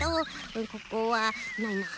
ここはないな。